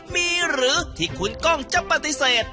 มีหรือที่คุณกล้องจะปฏิเสธ